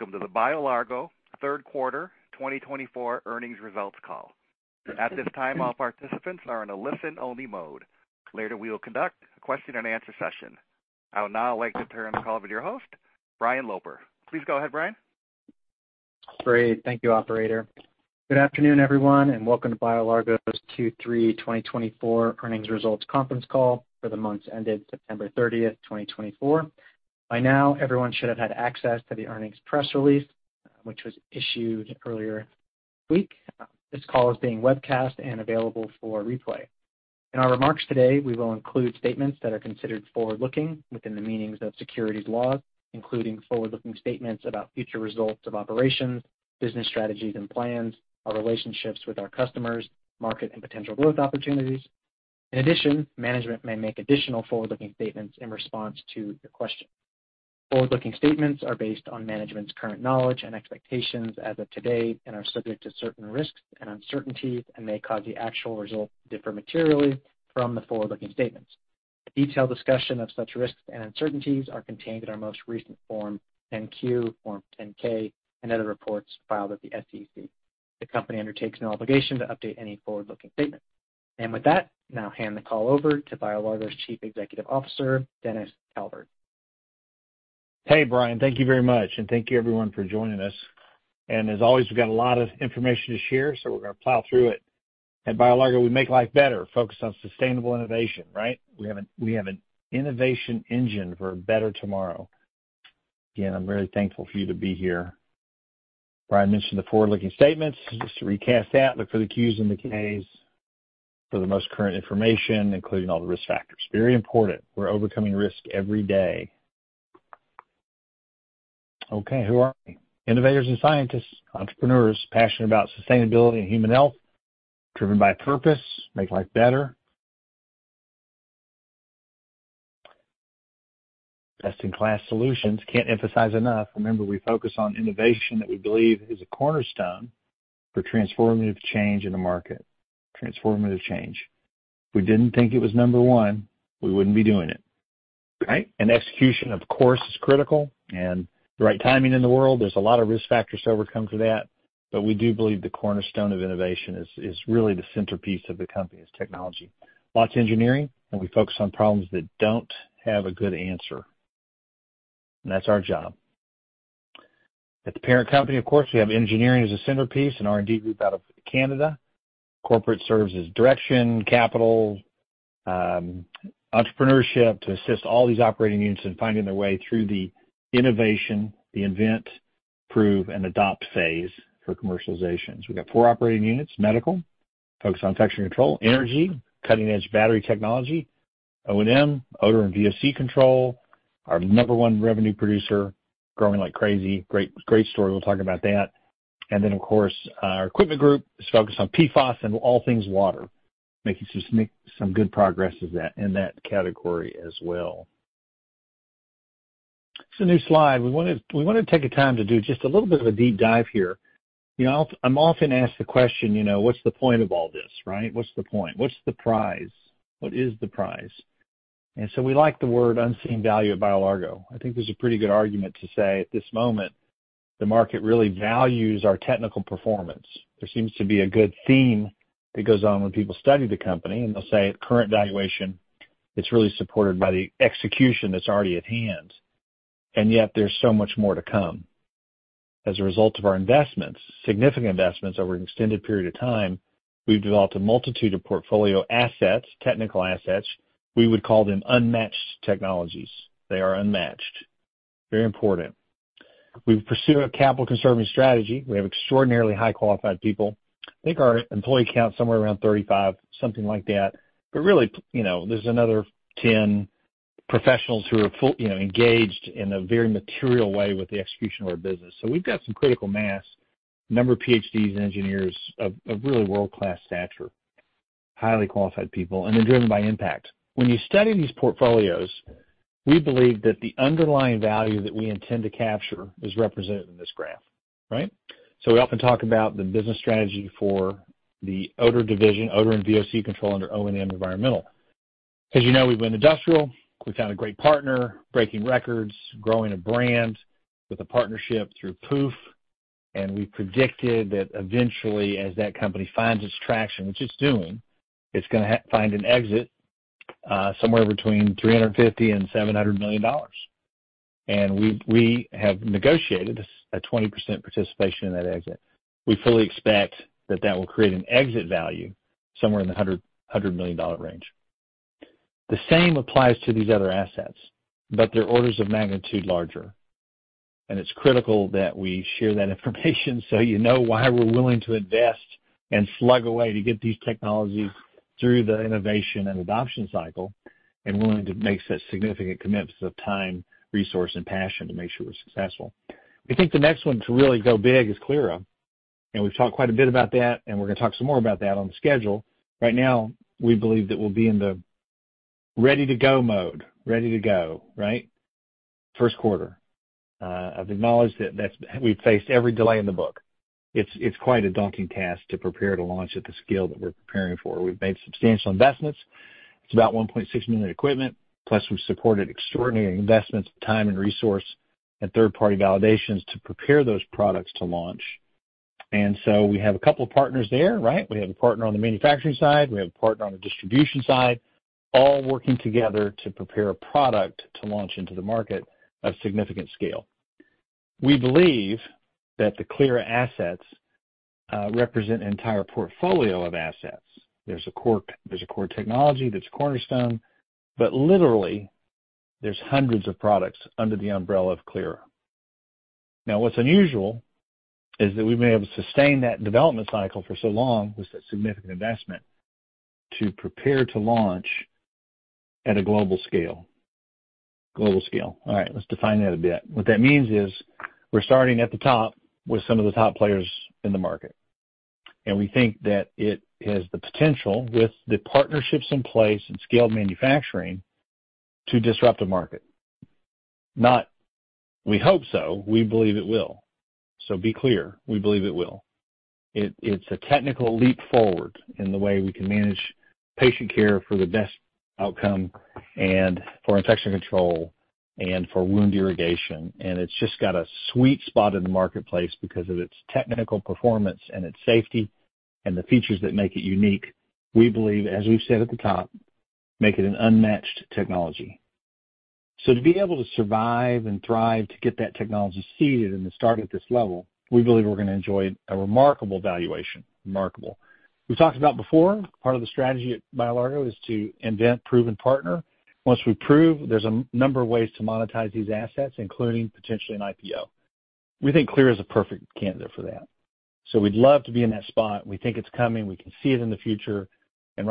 Welcome to the BioLargo Third Quarter 2024 Earnings Results Call. At this time, all participants are in a listen-only mode. Later, we will conduct a question-and-answer session. I would now like to turn the call over to your host, Brian Loper. Please go ahead, Brian. Great. Thank you, Operator. Good afternoon, everyone, and welcome to BioLargo's Q3 2024 Earnings Results Conference Call for the month ended September 30th, 2024. By now, everyone should have had access to the earnings press release, which was issued earlier this week. This call is being webcast and available for replay. In our remarks today, we will include statements that are considered forward-looking within the meanings of securities law, including forward-looking statements about future results of operations, business strategies and plans, our relationships with our customers, market, and potential growth opportunities. In addition, management may make additional forward-looking statements in response to your questions. Forward-looking statements are based on management's current knowledge and expectations as of today and are subject to certain risks and uncertainties and may cause the actual results to differ materially from the forward-looking statements. Detailed discussion of such risks and uncertainties is contained in our most recent Form 10Q, Form 10K, and other reports filed at the SEC. The company undertakes no obligation to update any forward-looking statements, and with that, I now hand the call over to BioLargo's Chief Executive Officer, Dennis Calvert. Hey, Brian. Thank you very much, and thank you, everyone, for joining us, and as always, we've got a lot of information to share, so we're going to plow through it. At BioLargo, we make life better, focused on sustainable innovation, right? We have an innovation engine for a better tomorrow. Again, I'm very thankful for you to be here. Brian mentioned the forward-looking statements. Just to recast that, look for the Qs and the Ks for the most current information, including all the risk factors. Very important. We're overcoming risk every day. Okay. Who are we? Innovators and scientists, entrepreneurs passionate about sustainability and human health, driven by purpose, make life better, best-in-class solutions. Can't emphasize enough. Remember, we focus on innovation that we believe is a cornerstone for transformative change in the market, transformative change. If we didn't think it was number one, we wouldn't be doing it. And execution, of course, is critical. And the right timing in the world, there's a lot of risk factors to overcome for that. But we do believe the cornerstone of innovation is really the centerpiece of the company is technology. Lots of engineering, and we focus on problems that don't have a good answer. And that's our job. At the parent company, of course, we have engineering as a centerpiece, an R&D group out of Canada. Corporate serves as direction, capital, entrepreneurship to assist all these operating units in finding their way through the innovation, the invent, prove, and adopt phase for commercialization. So we've got four operating units: medical, focused on infection control, energy, cutting-edge battery technology, O&M, odor and VOC control, our number one revenue producer, growing like crazy. Great story. We'll talk about that. And then, of course, our equipment group is focused on PFAS and all things water, making some good progress in that category as well. It's a new slide. We wanted to take a time to do just a little bit of a deep dive here. I'm often asked the question, "What's the point of all this?" Right? What's the point? What's the prize? What is the prize? And so we like the word unseen value at BioLargo. I think there's a pretty good argument to say at this moment, the market really values our technical performance. There seems to be a good theme that goes on when people study the company, and they'll say at current valuation, it's really supported by the execution that's already at hand. And yet, there's so much more to come. As a result of our investments, significant investments over an extended period of time, we've developed a multitude of portfolio assets, technical assets. We would call them unmatched technologies. They are unmatched. Very important. We pursue a capital-conserving strategy. We have extraordinarily highly qualified people. I think our employee count is somewhere around 35, something like that. But really, there's another 10 professionals who are engaged in a very material way with the execution of our business. So we've got some critical mass, a number of PhDs and engineers of really world-class stature, highly qualified people, and they're driven by impact. When you study these portfolios, we believe that the underlying value that we intend to capture is represented in this graph, right? So we often talk about the business strategy for the odor division, odor and VOC control under O&M Environmental. As you know, we've been industrial. We found a great partner, breaking records, growing a brand with a partnership through POOPH. And we predicted that eventually, as that company finds its traction, which it's doing, it's going to find an exit somewhere between $350 million and $700 million. And we have negotiated a 20% participation in that exit. We fully expect that that will create an exit value somewhere in the $100 million range. The same applies to these other assets, but they're orders of magnitude larger. And it's critical that we share that information so you know why we're willing to invest and slug away to get these technologies through the innovation and adoption cycle and willing to make such significant commitments of time, resource, and passion to make sure we're successful. We think the next one to really go big is Clyra. And we've talked quite a bit about that, and we're going to talk some more about that on the schedule. Right now, we believe that we'll be in the ready-to-go mode, ready-to-go, right? Q1. I've acknowledged that we've faced every delay in the book. It's quite a daunting task to prepare to launch at the scale that we're preparing for. We've made substantial investments. It's about $1.6 million equipment, plus we've supported extraordinary investments of time and resource and third-party validations to prepare those products to launch. And so we have a couple of partners there, right? We have a partner on the manufacturing side. We have a partner on the distribution side, all working together to prepare a product to launch into the market of significant scale. We believe that the Clyra assets represent an entire portfolio of assets. There's a core technology that's a cornerstone, but literally, there's hundreds of products under the umbrella of Clyra. Now, what's unusual is that we've been able to sustain that development cycle for so long with such significant investment to prepare to launch at a global scale. Global scale. All right. Let's define that a bit. What that means is we're starting at the top with some of the top players in the market. And we think that it has the potential, with the partnerships in place and scaled manufacturing, to disrupt the market. Not we hope so. We believe it will. So be clear. We believe it will. It's a technical leap forward in the way we can manage patient care for the best outcome and for infection control and for wound irrigation. It’s just got a sweet spot in the marketplace because of its technical performance and its safety and the features that make it unique. We believe, as we’ve said at the top, make it an unmatched technology. So to be able to survive and thrive, to get that technology seeded and to start at this level, we believe we’re going to enjoy a remarkable valuation, remarkable. We’ve talked about before, part of the strategy at BioLargo is to invent, prove, and partner. Once we prove, there’s a number of ways to monetize these assets, including potentially an IPO. We think Clyra is a perfect candidate for that. So we’d love to be in that spot. We think it’s coming. We can see it in the future.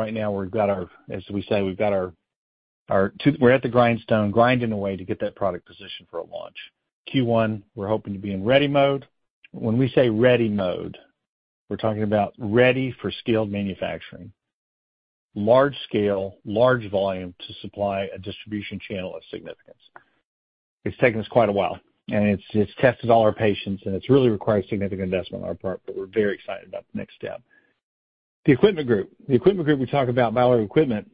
Right now, we've got our, as we say, we're at the grindstone, grinding away to get that product position for a launch. Q1, we're hoping to be in ready mode. When we say ready mode, we're talking about ready for scaled manufacturing, large scale, large volume to supply a distribution channel of significance. It's taken us quite a while, and it's tested all our patience, and it's really required significant investment on our part, but we're very excited about the next step. The equipment group. The equipment group we talk about, BioLargo equipment,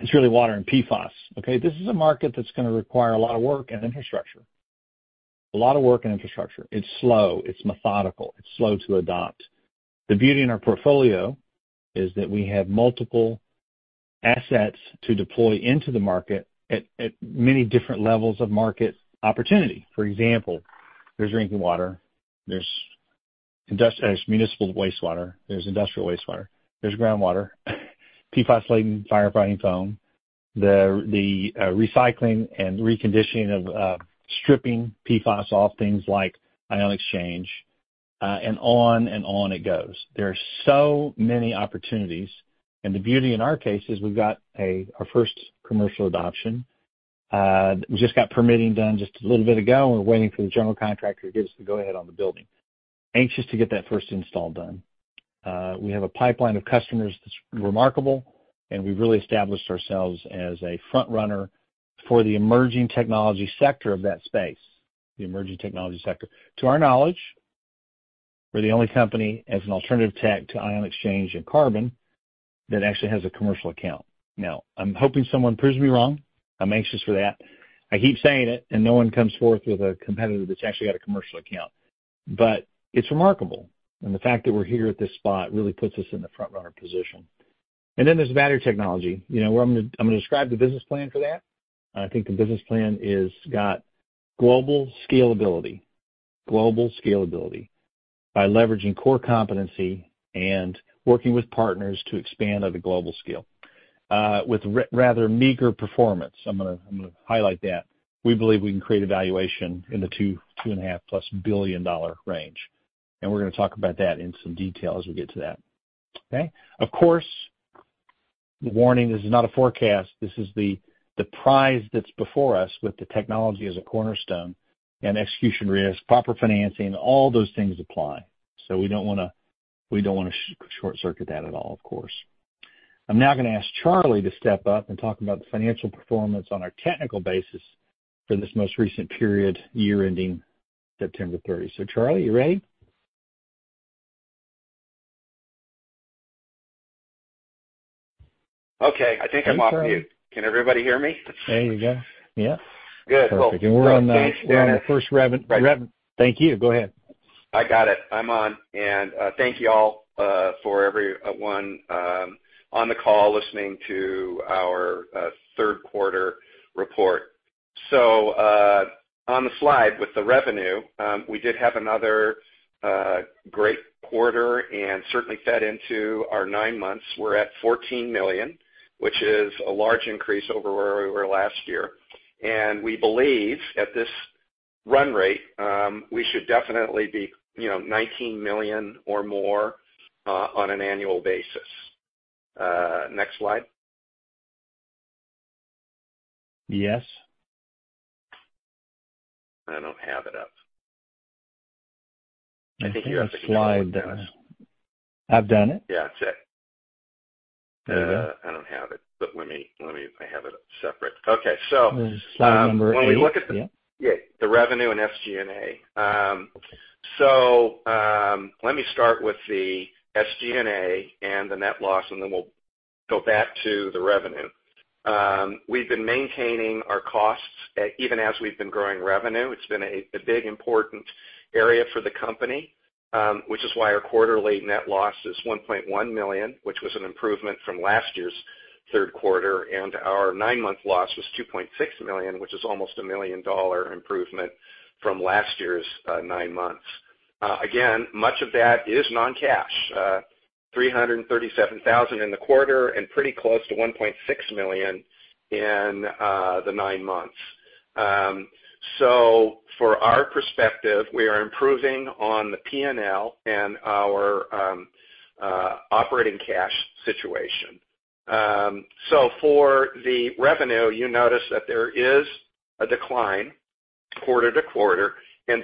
it's really water and PFAS. Okay? This is a market that's going to require a lot of work and infrastructure. It's slow. It's methodical. It's slow to adopt. The beauty in our portfolio is that we have multiple assets to deploy into the market at many different levels of market opportunity. For example, there's drinking water. There's municipal wastewater. There's industrial wastewater. There's groundwater, PFAS-laden firefighting foam, the recycling and reconditioning of stripping PFAS off things like ion exchange, and on and on it goes. There are so many opportunities, and the beauty in our case is we've got our first commercial adoption. We just got permitting done just a little bit ago, and we're waiting for the general contractor to give us the go-ahead on the buil+ding. Anxious to get that first install done. We have a pipeline of customers that's remarkable, and we've really established ourselves as a front-runner for the emerging technology sector of that space. To our knowledge, we're the only company as an alternative tech to ion exchange and carbon that actually has a commercial account. Now, I'm hoping someone proves me wrong. I'm anxious for that. I keep saying it, and no one comes forth with a competitor that's actually got a commercial account. But it's remarkable. And the fact that we're here at this spot really puts us in the front-runner position. And then there's battery technology. I'm going to describe the business plan for that. I think the business plan has got global scalability, global scalability by leveraging core competency and working with partners to expand at a global scale. With rather meager performance, I'm going to highlight that, we believe we can create a valuation in the $2.5-plus billion range. And we're going to talk about that in some detail as we get to that. Okay? Of course, the warning: this is not a forecast. This is the prize that's before us with the technology as a cornerstone and execution risk, proper financing, all those things apply. So we don't want to short-circuit that at all, of course. I'm now going to ask Charley to step up and talk about the financial performance on our technical basis for this most recent period, year-ending September 30. So Charley, you ready? Okay. I think I'm off mute. Can everybody hear me? There you go. Yeah. Good. Cool. Perfect. And we're on our first revenue. Thank you. Go ahead. I got it. I'm on. And thank you all for everyone on the call listening to our third quarter report. So on the slide with the revenue, we did have another great quarter and certainly fed into our nine months. We're at $14 million, which is a large increase over where we were last year. And we believe at this run rate, we should definitely be $19 million or more on an annual basis. Next slide. Yes. I don't have it up. I think you have the slide. I've done it. Yeah. That's it. I don't have it. But let me. I have it separate. Okay. So when we look at the revenue and SG&A, so let me start with the SG&A and the net loss, and then we'll go back to the revenue. We've been maintaining our costs even as we've been growing revenue. It's been a big, important area for the company, which is why our quarterly net loss is $1.1 million, which was an improvement from last year's third quarter. And our nine-month loss was $2.6 million, which is almost a $1 million improvement from last year's nine months. Again, much of that is non-cash: $337,000 in the quarter and pretty close to $1.6 million in the nine months. So for our perspective, we are improving on the P&L and our operating cash situation. So for the revenue, you notice that there is a decline quarter to quarter.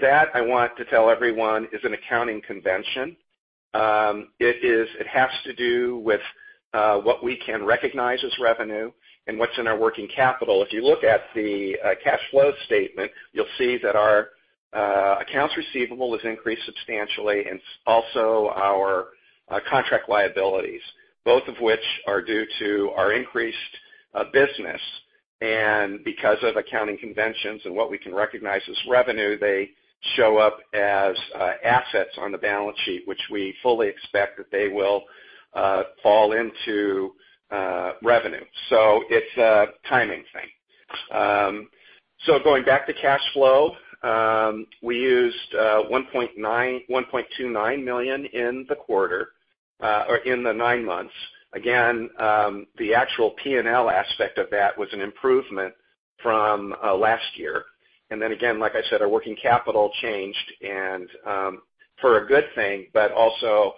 That, I want to tell everyone, is an accounting convention. It has to do with what we can recognize as revenue and what's in our working capital. If you look at the cash flow statement, you'll see that our accounts receivable has increased substantially and also our contract liabilities, both of which are due to our increased business. And because of accounting conventions and what we can recognize as revenue, they show up as assets on the balance sheet, which we fully expect that they will fall into revenue. So it's a timing thing. So going back to cash flow, we used $1.29 million in the quarter or in the nine months. Again, the actual P&L aspect of that was an improvement from last year. And then again, like I said, our working capital changed. It's a good thing, but also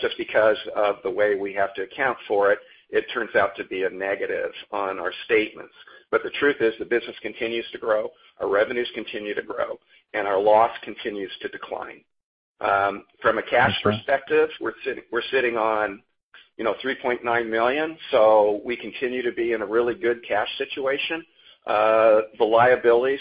just because of the way we have to account for it, it turns out to be a negative on our statements. The truth is the business continues to grow, our revenues continue to grow, and our loss continues to decline. From a cash perspective, we're sitting on $3.9 million. We continue to be in a really good cash situation. The liabilities,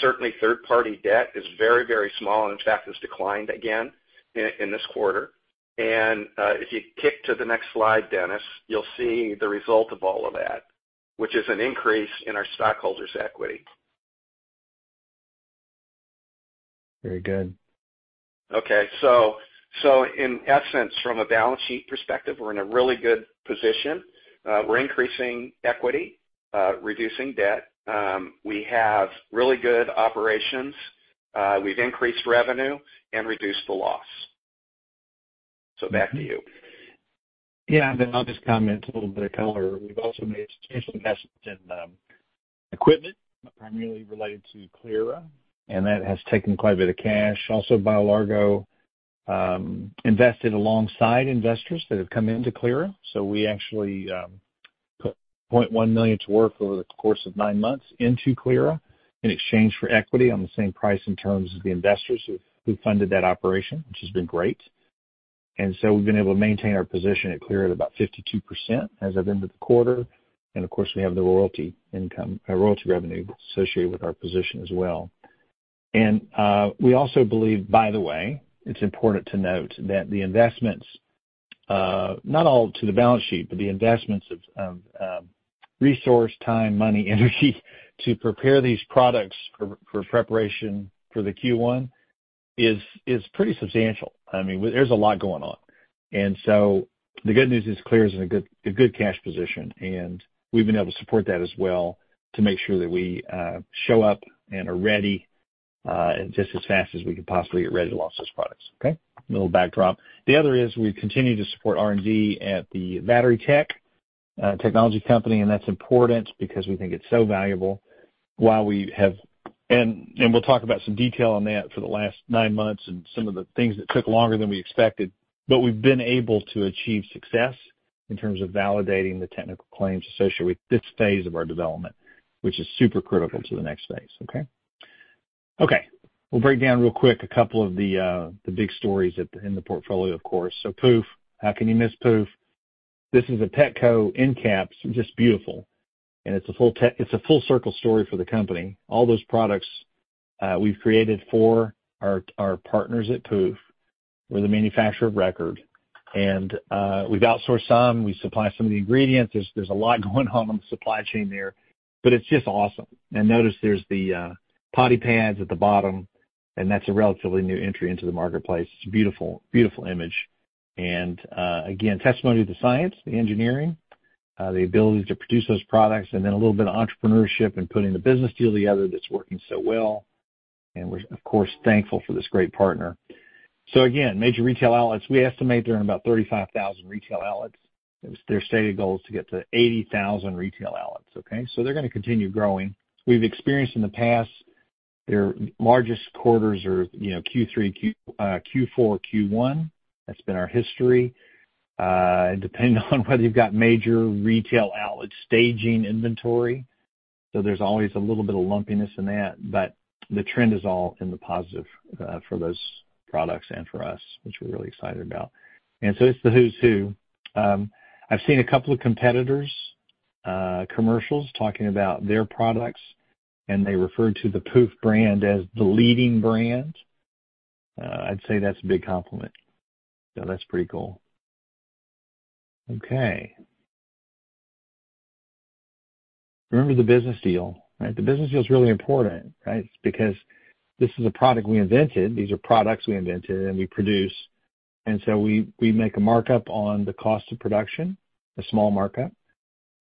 certainly third-party debt, is very, very small and in fact has declined again in this quarter. If you kick to the next slide, Dennis, you'll see the result of all of that, which is an increase in our stockholders' equity. Very good. Okay. So in essence, from a balance sheet perspective, we're in a really good position. We're increasing equity, reducing debt. We have really good operations. We've increased revenue and reduced the loss. So back to you. Yeah. And then I'll just comment a little bit of color. We've also made substantial investments in equipment, primarily related to Clyra, and that has taken quite a bit of cash. Also, BioLargo invested alongside investors that have come into Clyra. So we actually put $100,000 to work over the course of nine months into Clyra in exchange for equity on the same price in terms of the investors who funded that operation, which has been great. And so we've been able to maintain our position at Clyra at about 52% as of end of the quarter. And of course, we have the royalty revenue associated with our position as well. We also believe, by the way, it's important to note that the investments, not all to the balance sheet, but the investments of resource, time, money, energy to prepare these products for preparation for the Q1 is pretty substantial. I mean, there's a lot going on. And so the good news is Clyra is in a good cash position. And we've been able to support that as well to make sure that we show up and are ready just as fast as we can possibly get ready to launch those products. Okay? A little backdrop. The other is we continue to support R&D at the Battery Technology Company. And that's important because we think it's so valuable. While we have, and we'll talk about some detail on that for the last nine months and some of the things that took longer than we expected, but we've been able to achieve success in terms of validating the technical claims associated with this phase of our development, which is super critical to the next phase. Okay? Okay. We'll break down real quick a couple of the big stories in the portfolio, of course. So POOPH. How can you miss POOPH? This is a Petco in caps, just beautiful. And it's a full-circle story for the company. All those products we've created for our partners at POOPH. We're the manufacturer of record. And we've outsourced some. We supply some of the ingredients. There's a lot going on the supply chain there. But it's just awesome. And notice there's the Potty Pads at the bottom. That's a relatively new entry into the marketplace. It's a beautiful image. Again, testimony to the science, the engineering, the ability to produce those products, and then a little bit of entrepreneurship and putting the business deal together that's working so well. We're, of course, thankful for this great partner. Again, major retail outlets. We estimate there are about 35,000 retail outlets. Their stated goal is to get to 80,000 retail outlets. Okay? They're going to continue growing. We've experienced in the past their largest quarters are Q3, Q4, Q1. That's been our history. Depending on whether you've got major retail outlet staging inventory. There's always a little bit of lumpiness in that. The trend is all in the positive for those products and for us, which we're really excited about. It's the who's who. I've seen a couple of competitors, commercials, talking about their products. And they refer to the POOPH brand as the leading brand. I'd say that's a big compliment. So that's pretty cool. Okay. Remember the business deal, right? The business deal is really important, right? Because this is a product we invented. These are products we invented and we produce. And so we make a markup on the cost of production, a small markup.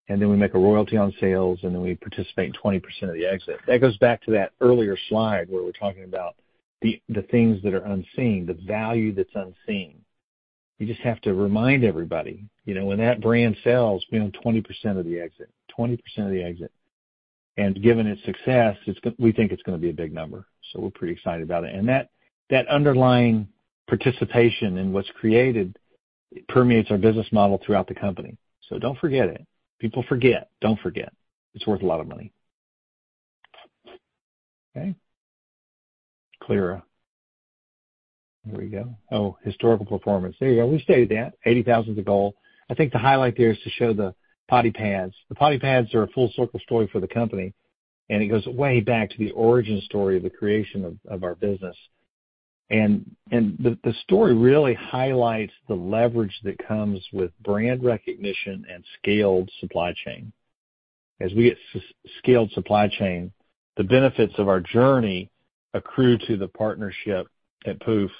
And then we make a royalty on sales, and then we participate in 20% of the exit. That goes back to that earlier slide where we're talking about the things that are unseen, the value that's unseen. You just have to remind everybody. When that brand sells, we own 20% of the exit, 20% of the exit. And given its success, we think it's going to be a big number. So we're pretty excited about it. And that underlying participation in what's created permeates our business model throughout the company. So don't forget it. People forget. Don't forget. It's worth a lot of money. Okay? Clyra. Here we go. Oh, historical performance. There you go. We stated that. 80,000's the goal. I think the highlight there is to show the Potty Pads. The Potty Pads are a full-circle story for the company. And it goes way back to the origin story of the creation of our business. And the story really highlights the leverage that comes with brand recognition and scaled supply chain. As we get scaled supply chain, the benefits of our journey accrue to the partnership at POOPH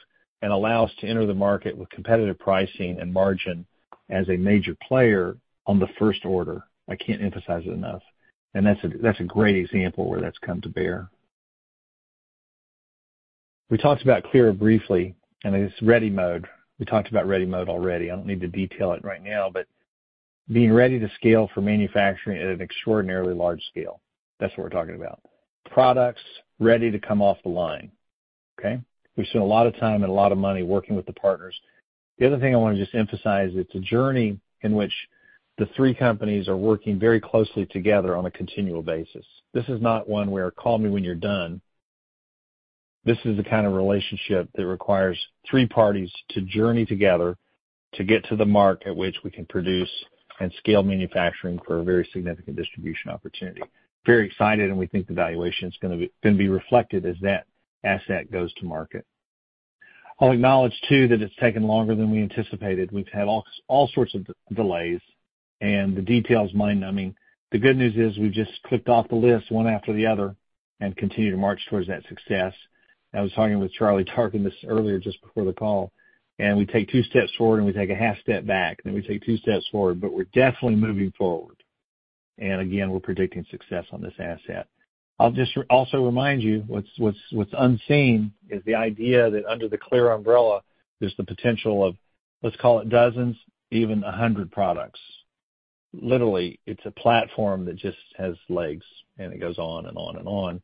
and allow us to enter the market with competitive pricing and margin as a major player on the first order. I can't emphasize it enough. And that's a great example where that's come to bear. We talked about Clyra briefly, and it's ready mode. We talked about ready mode already. I don't need to detail it right now, but being ready to scale for manufacturing at an extraordinarily large scale. That's what we're talking about. Products ready to come off the line. Okay? We spent a lot of time and a lot of money working with the partners. The other thing I want to just emphasize is it's a journey in which the three companies are working very closely together on a continual basis. This is not one where call me when you're done. This is the kind of relationship that requires three parties to journey together to get to the mark at which we can produce and scale manufacturing for a very significant distribution opportunity. Very excited, and we think the valuation is going to be reflected as that asset goes to market. I'll acknowledge too that it's taken longer than we anticipated. We've had all sorts of delays, and the detail is mind-numbing. The good news is we've just clicked off the list one after the other and continued to march towards that success. I was talking with Charley Dargan earlier just before the call, and we take two steps forward and we take a half step back, and then we take two steps forward, but we're definitely moving forward, and again, we're predicting success on this asset. I'll just also remind you what's unseen is the idea that under the Clyra umbrella, there's the potential of, let's call it dozens, even a hundred products. Literally, it's a platform that just has legs, and it goes on and on and on.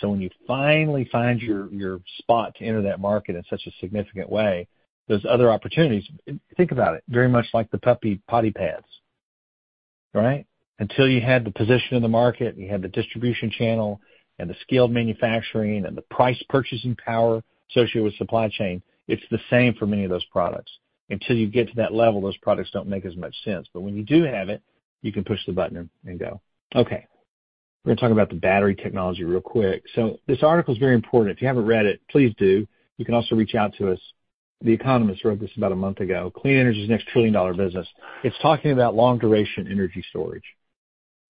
So when you finally find your spot to enter that market in such a significant way, those other opportunities, think about it, very much like the puppy Potty Pads. Right? Until you had the position in the market, you had the distribution channel, and the scaled manufacturing, and the price purchasing power associated with supply chain, it's the same for many of those products. Until you get to that level, those products don't make as much sense. But when you do have it, you can push the button and go. Okay. We're going to talk about the battery technology real quick. So this article is very important. If you haven't read it, please do. You can also reach out to us. The Economist wrote this about a month ago. Clean energy is the next trillion-dollar business. It's talking about long-duration energy storage.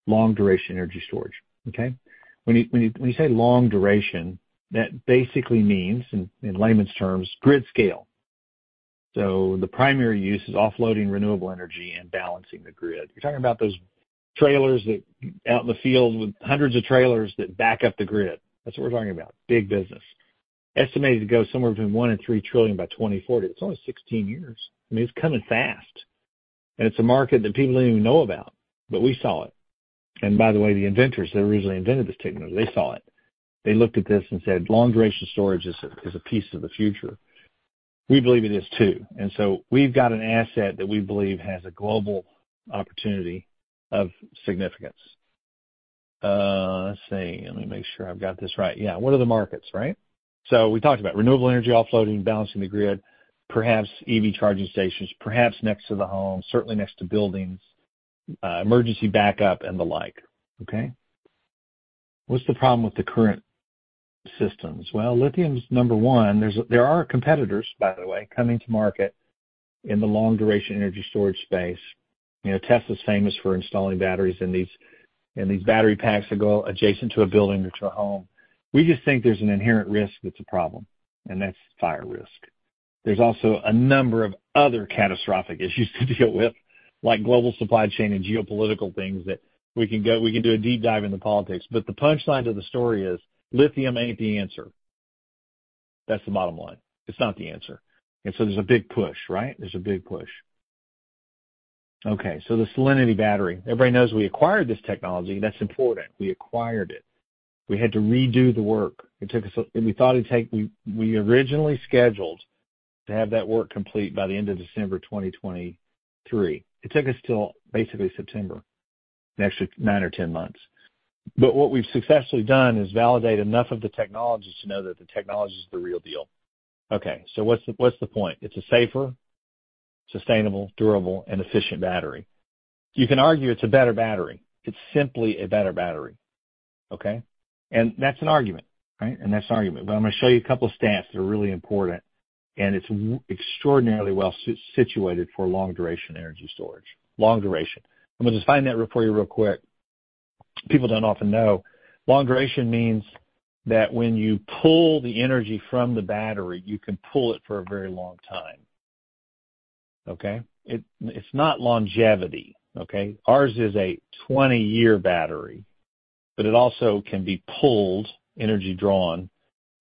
Long-duration energy storage. Okay? When you say long duration, that basically means, in layman's terms, grid scale. So the primary use is offloading renewable energy and balancing the grid. You're talking about those trailers out in the field with hundreds of trailers that back up the grid. That's what we're talking about. Big business. Estimated to go somewhere between $1 trillion and $3 trillion by 2040. That's only 16 years. I mean, it's coming fast. And it's a market that people didn't even know about. But we saw it. And by the way, the inventors that originally invented this technology, they saw it. They looked at this and said, "Long-duration storage is a piece of the future." We believe it is too. And so we've got an asset that we believe has a global opportunity of significance. Let's see. Let me make sure I've got this right. Yeah. What are the markets, right? We talked about renewable energy offloading, balancing the grid, perhaps EV charging stations, perhaps next to the home, certainly next to buildings, emergency backup, and the like. Okay? What's the problem with the current systems? Well, lithium is number one. There are competitors, by the way, coming to market in the long-duration energy storage space. Tesla's famous for installing batteries in these battery packs that go adjacent to a building or to a home. We just think there's an inherent risk that's a problem. And that's fire risk. There's also a number of other catastrophic issues to deal with, like global supply chain and geopolitical things that we can do a deep dive into politics. But the punchline to the story is lithium ain't the answer. That's the bottom line. It's not the answer. And so there's a big push, right? There's a big push. Okay. So the Cellinity battery. Everybody knows we acquired this technology. That's important. We acquired it. We had to redo the work. We thought it'd take. We originally scheduled to have that work complete by the end of December 2023. It took us till basically September, the extra nine or 10 months, but what we've successfully done is validate enough of the technology to know that the technology is the real deal. Okay, so what's the point? It's a safer, sustainable, durable, and efficient battery. You can argue it's a better battery. It's simply a better battery. Okay? And that's an argument, right? And that's an argument, but I'm going to show you a couple of stats that are really important, and it's extraordinarily well situated for long-duration energy storage. Long duration. I'm going to just find that report here real quick. People don't often know. Long duration means that when you pull the energy from the battery, you can pull it for a very long time. Okay? It's not longevity. Okay? Ours is a 20-year battery, but it also can be pulled, energy drawn,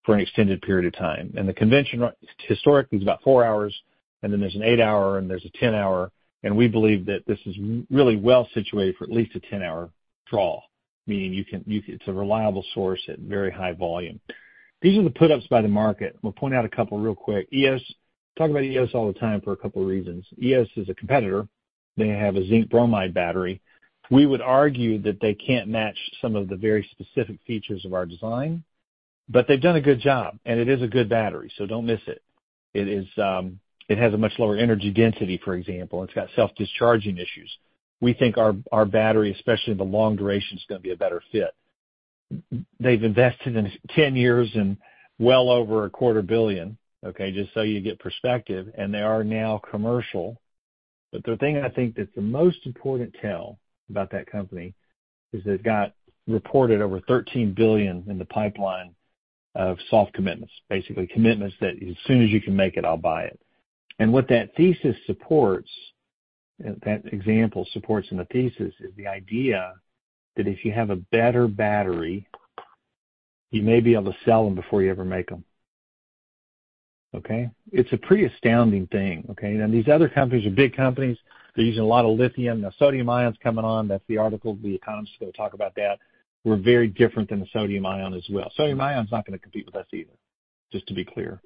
for an extended period of time, and the convention historically is about four hours, and then there's an eight-hour, and there's a 10-hour, and we believe that this is really well situated for at least a 10-hour draw, meaning it's a reliable source at very high volume. Digging the put-ups by the market. I'm going to point out a couple real quick. Eos, we talk about Eos all the time for a couple of reasons. Eos is a competitor. They have a zinc bromide battery. We would argue that they can't match some of the very specific features of our design. But they've done a good job. It is a good battery. Don't miss it. It has a much lower energy density, for example. It's got self-discharging issues. We think our battery, especially the long duration, is going to be a better fit. They've invested in 10 years and well over $250 million, okay, just so you get perspective. They are now commercial. But the thing I think that's the most important tell about that company is they've got reported over $13 billion in the pipeline of soft commitments, basically commitments that as soon as you can make it, I'll buy it. What that thesis supports, that example supports in the thesis is the idea that if you have a better battery, you may be able to sell them before you ever make them. Okay? It's a pretty astounding thing. Okay? These other companies are big companies. They're using a lot of lithium. Now, sodium-ion's coming on. That's the article. The Economist is going to talk about that. We're very different than the sodium-ion as well. Sodium-ion's not going to compete with us either, just to be clear.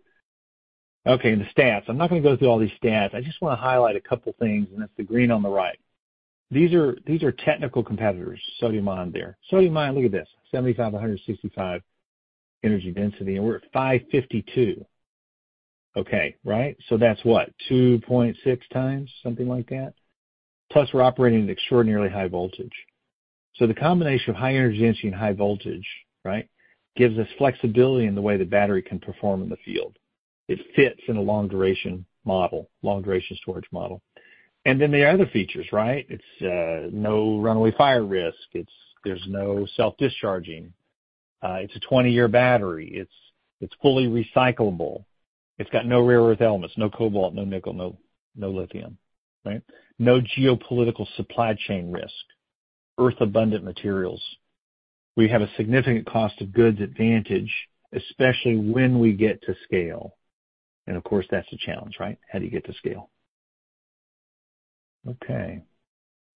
Okay, and the stats. I'm not going to go through all these stats. I just want to highlight a couple of things, and that's the green on the right. These are technical competitors, sodium-ion there. Sodium-ion, look at this, 75-165 energy density. And we're at 552. Okay. Right? So that's what? 2.6 times, something like that. Plus, we're operating at extraordinarily high voltage. So the combination of high energy density and high voltage, right, gives us flexibility in the way the battery can perform in the field. It fits in a long-duration model, long-duration storage model. And then there are other features, right? It's no runaway fire risk. There's no self-discharging. It's a 20-year battery. It's fully recyclable. It's got no rare earth elements, no cobalt, no nickel, no lithium, right? No geopolitical supply chain risk. Earth-abundant materials. We have a significant cost of goods advantage, especially when we get to scale, and of course, that's a challenge, right? How do you get to scale? Okay.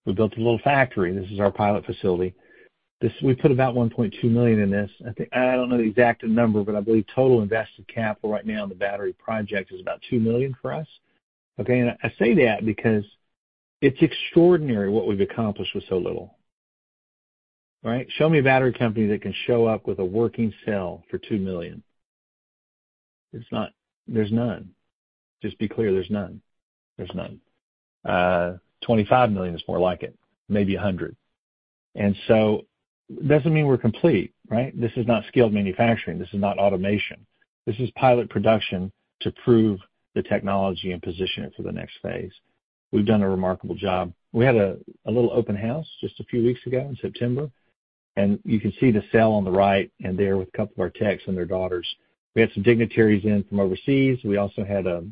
We built a little factory. This is our pilot facility. We put about $1.2 million in this. I don't know the exact number, but I believe total invested capital right now in the battery project is about $2 million for us. Okay? And I say that because it's extraordinary what we've accomplished with so little. Right? Show me a battery company that can show up with a working cell for $2 million. There's none. Just be clear, there's none. There's none. $25 million is more like it. Maybe $100 million. And so it doesn't mean we're complete, right? This is not scaled manufacturing. This is not automation. This is pilot production to prove the technology and position it for the next phase. We've done a remarkable job. We had a little open house just a few weeks ago in September. And you can see the cell on the right and there with a couple of our techs and their daughters. We had some dignitaries in from overseas. We also had a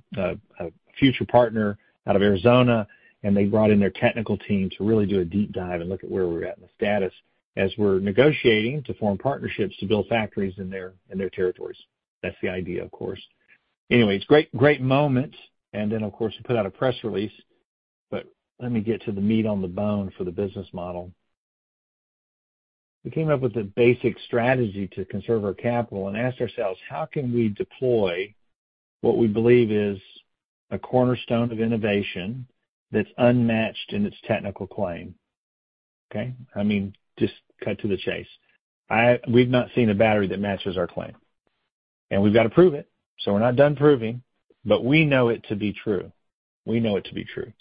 future partner out of Arizona. And they brought in their technical team to really do a deep dive and look at where we're at in the status as we're negotiating to form partnerships to build factories in their territories. That's the idea, of course. Anyway, it's a great moment. And then, of course, we put out a press release. But let me get to the meat on the bone for the business model. We came up with a basic strategy to conserve our capital and asked ourselves, how can we deploy what we believe is a cornerstone of innovation that's unmatched in its technical claim? Okay? I mean, just cut to the chase. We've not seen a battery that matches our claim. And we've got to prove it. So we're not done proving. But we know it to be true. We know it to be true.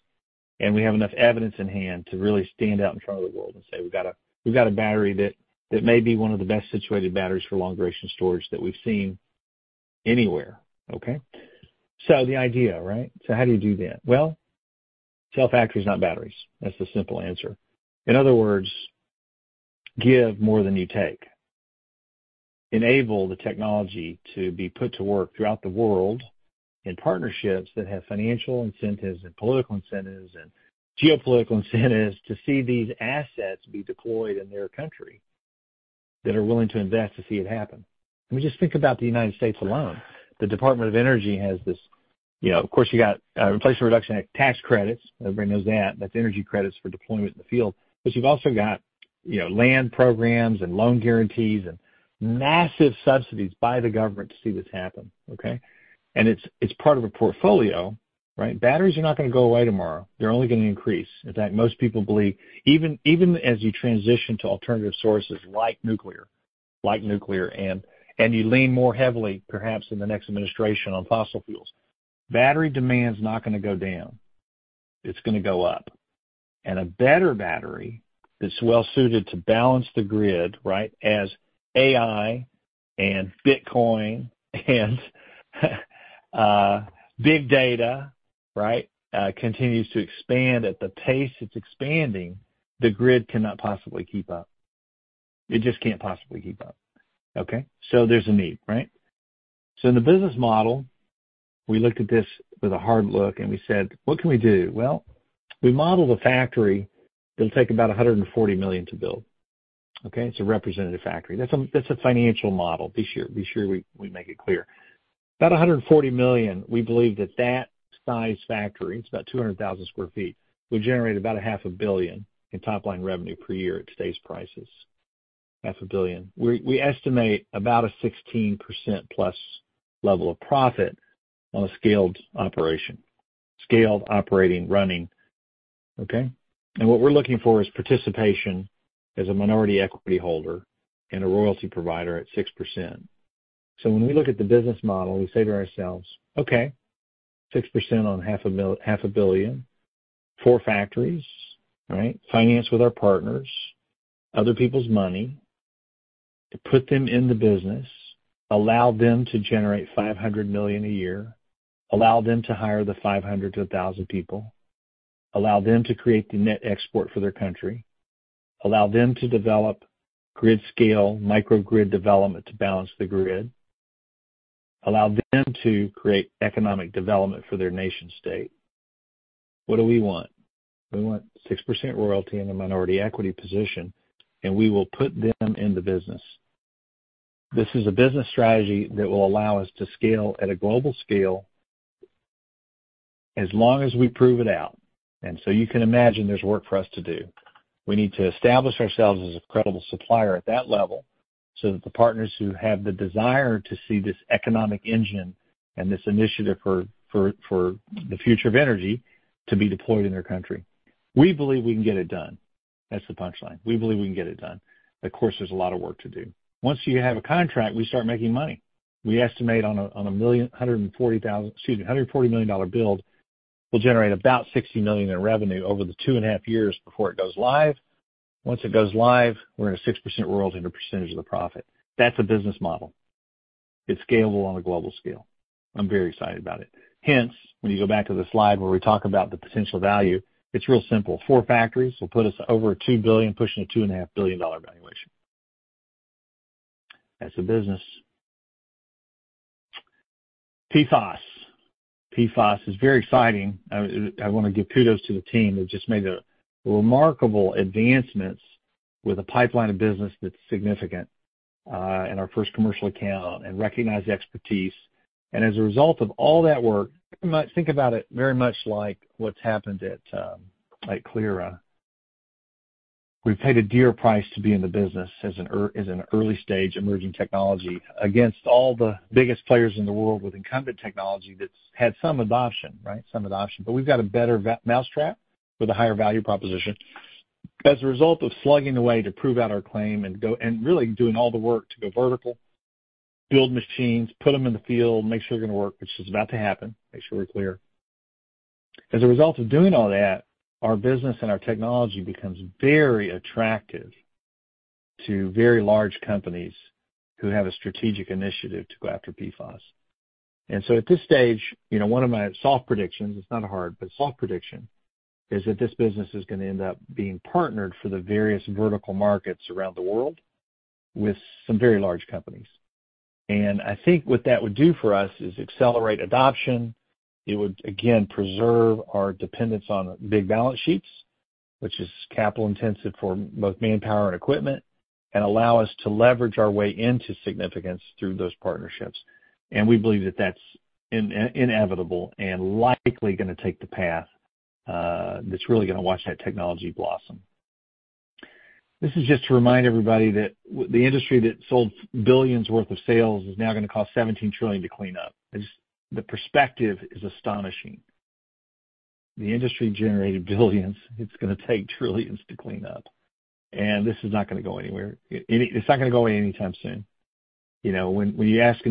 And we have enough evidence in hand to really stand out in front of the world and say, "We've got a battery that may be one of the best situated batteries for long-duration storage that we've seen anywhere." Okay? So the idea, right? So how do you do that? Well, sell factories, not batteries. That's the simple answer. In other words, give more than you take. Enable the technology to be put to work throughout the world in partnerships that have financial incentives and political incentives and geopolitical incentives to see these assets be deployed in their country that are willing to invest to see it happen. I mean, just think about the United States alone. The Department of Energy has this. Of course, you got Inflation Reduction Act tax credits. Everybody knows that. That's energy credits for deployment in the field. But you've also got loan programs and loan guarantees and massive subsidies by the government to see this happen. Okay? It's part of a portfolio, right? Batteries are not going to go away tomorrow. They're only going to increase. In fact, most people believe, even as you transition to alternative sources like nuclear, and you lean more heavily, perhaps in the next administration, on fossil fuels, battery demand's not going to go down. It's going to go up. And a better battery that's well-suited to balance the grid, right, as AI and Bitcoin and big data, right, continues to expand at the pace it's expanding, the grid cannot possibly keep up. It just can't possibly keep up. Okay? So there's a need, right? So in the business model, we looked at this with a hard look and we said, "What can we do?" Well, we modeled a factory that'll take about $140 million to build. Okay? It's a representative factory. That's a financial model. Be sure we make it clear. About $140 million, we believe that that size factory, it's about 200,000 sq ft, would generate about $500 million in top-line revenue per year at today's prices. $500 million. We estimate about 16% plus level of profit on a scaled operation. Scaled, operating, running. Okay? And what we're looking for is participation as a minority equity holder and a royalty provider at 6%. So when we look at the business model, we say to ourselves, "Okay. 6% on $500 million. Four factories, right? Finance with our partners, other people's money, put them in the business, allow them to generate $500 million a year, allow them to hire the 500-1,000 people, allow them to create the net export for their country, allow them to develop grid scale, microgrid development to balance the grid, allow them to create economic development for their nation-state." What do we want? We want 6% royalty in a minority equity position, and we will put them in the business. This is a business strategy that will allow us to scale at a global scale as long as we prove it out. And so you can imagine there's work for us to do. We need to establish ourselves as a credible supplier at that level so that the partners who have the desire to see this economic engine and this initiative for the future of energy to be deployed in their country. We believe we can get it done. That's the punchline. We believe we can get it done. Of course, there's a lot of work to do. Once you have a contract, we start making money. We estimate on a $140,000 excuse me, $140 million build, we'll generate about $60 million in revenue over the two and a half years before it goes live. Once it goes live, we're in a 6% royalty and a percentage of the profit. That's a business model. It's scalable on a global scale. I'm very excited about it. Hence, when you go back to the slide where we talk about the potential value, it's real simple. Four factories will put us over $2 billion, pushing a $2.5 billion valuation. That's a business. PFAS. PFAS is very exciting. I want to give kudos to the team. They've just made remarkable advancements with a pipeline of business that's significant in our first commercial account and recognized expertise. And as a result of all that work, think about it very much like what's happened at Clyra. We've paid a dear price to be in the business as an early-stage emerging technology against all the biggest players in the world with incumbent technology that's had some adoption, right? Some adoption. But we've got a better mousetrap with a higher value proposition. As a result of slugging away to prove out our claim and really doing all the work to go vertical, build machines, put them in the field, make sure they're going to work, which is about to happen. Make sure we're clear. As a result of doing all that, our business and our technology becomes very attractive to very large companies who have a strategic initiative to go after PFAS, and so at this stage, one of my soft predictions, it's not a hard, but a soft prediction is that this business is going to end up being partnered for the various vertical markets around the world with some very large companies, and I think what that would do for us is accelerate adoption. It would, again, preserve our dependence on big balance sheets, which is capital-intensive for both manpower and equipment, and allow us to leverage our way into significance through those partnerships. And we believe that that's inevitable and likely going to take the path that's really going to watch that technology blossom. This is just to remind everybody that the industry that sold billions worth of sales is now going to cost $17 trillion to clean up. The perspective is astonishing. The industry generated billions, it's going to take trillions to clean up. And this is not going to go anywhere. It's not going to go away anytime soon. When you ask a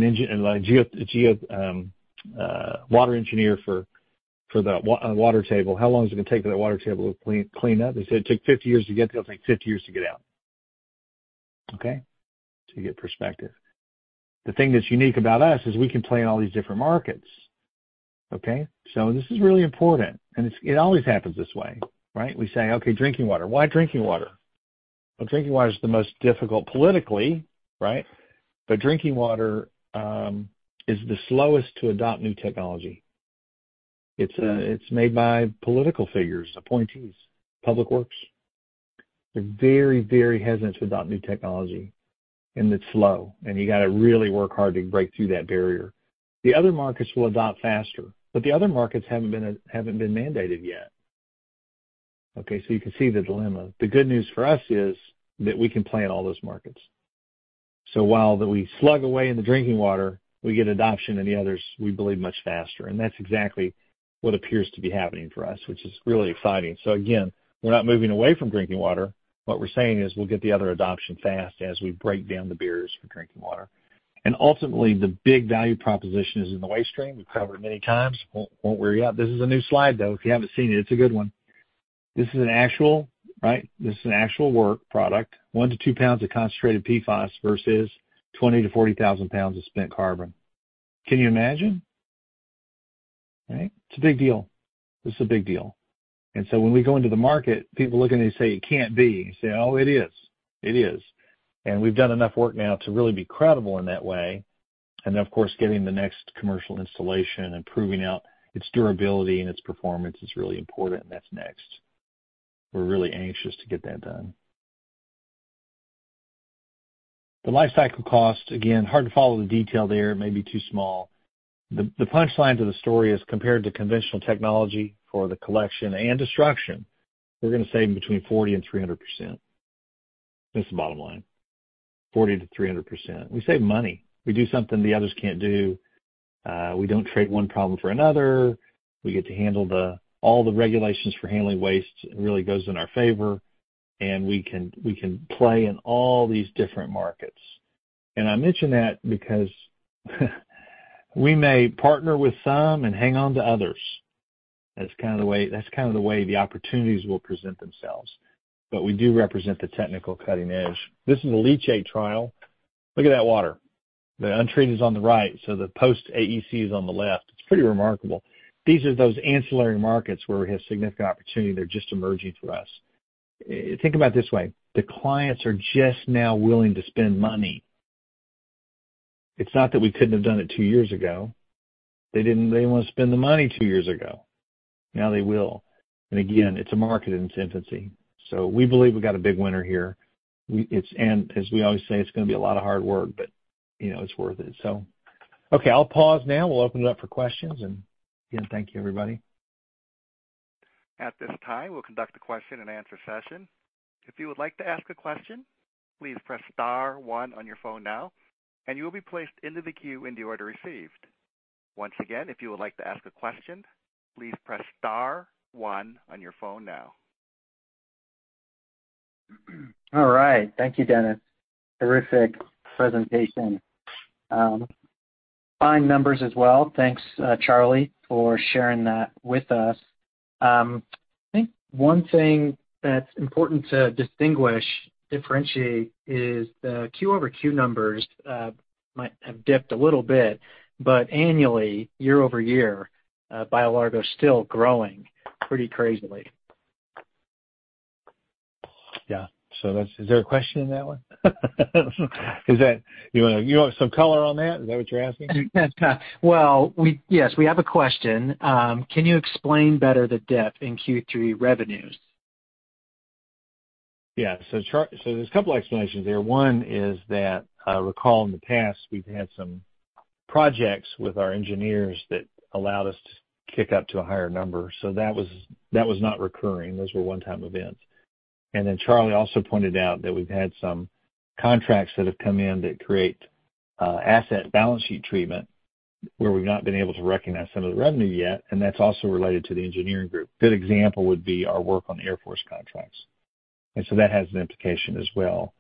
water engineer for the water table, how long is it going to take for that water table to clean up? They say it took 50 years to get in. It'll take 50 years to get out. Okay? To get perspective. The thing that's unique about us is we can play in all these different markets. Okay? So this is really important. And it always happens this way, right? We say, "Okay, drinking water. Why drinking water?" Well, drinking water is the most difficult politically, right? But drinking water is the slowest to adopt new technology. It's made by political figures, appointees, public works. They're very, very hesitant to adopt new technology. And it's slow. And you got to really work hard to break through that barrier. The other markets will adopt faster. But the other markets haven't been mandated yet. Okay? So you can see the dilemma. The good news for us is that we can play in all those markets. So while we slug away in the drinking water, we get adoption in the others, we believe, much faster. And that's exactly what appears to be happening for us, which is really exciting. So again, we're not moving away from drinking water. What we're saying is we'll get the other adoption fast as we break down the barriers for drinking water. And ultimately, the big value proposition is in the waste stream. We've covered it many times. Won't worry you out. This is a new slide, though. If you haven't seen it, it's a good one. This is an actual, right? This is an actual work product. One to two pounds of concentrated PFAS versus 20-40 thousand pounds of spent carbon. Can you imagine? Right? It's a big deal. This is a big deal. And so when we go into the market, people look at it and they say, "It can't be." You say, "Oh, it is. It is. And we've done enough work now to really be credible in that way. And then, of course, getting the next commercial installation and proving out its durability and its performance is really important. And that's next. We're really anxious to get that done. The life cycle cost, again, hard to follow the detail there. It may be too small. The punchline to the story is compared to conventional technology for the collection and destruction, we're going to save between 40% and 300%. That's the bottom line. 40%-300%. We save money. We do something the others can't do. We don't trade one problem for another. We get to handle all the regulations for handling waste. It really goes in our favor. And we can play in all these different markets. And I mention that because we may partner with some and hang on to others. That's kind of the way the opportunities will present themselves. But we do represent the technical cutting edge. This is a leachate trial. Look at that water. The untreated is on the right. So the post-AEC is on the left. It's pretty remarkable. These are those ancillary markets where we have significant opportunity. They're just emerging for us. Think about it this way. The clients are just now willing to spend money. It's not that we couldn't have done it two years ago. They didn't want to spend the money two years ago. Now they will. And again, it's a market in its infancy. So we believe we've got a big winner here. And as we always say, it's going to be a lot of hard work, but it's worth it. So okay, I'll pause now. We'll open it up for questions. And again, thank you, everybody. At this time, we'll conduct a Q&A session. If you would like to ask a question, please press star one on your phone now, and you will be placed into the queue in the order received. Once again, if you would like to ask a question, please press star one on your phone now. All right. Thank you, Dennis. Terrific presentation. Fine numbers as well. Thanks, Charley, for sharing that with us. I think one thing that's important to distinguish, differentiate is the Q-over-Q numbers might have dipped a little bit, but annually, year-over-year, BioLargo is still growing pretty crazily. Yeah. So is there a question in that one? Is that you want some color on that? Is that what you're asking? Well, yes, we have a question. Can you explain better the dip in Q3 revenues? Yeah. So there's a couple of explanations there. One is that, recall in the past, we've had some projects with our engineers that allowed us to kick up to a higher number. So that was not recurring. Those were one-time events. And then Charley also pointed out that we've had some contracts that have come in that create asset balance sheet treatment where we've not been able to recognize some of the revenue yet. And that's also related to the engineering group. A good example would be our work on Air Force contracts. And so that has an implication as well.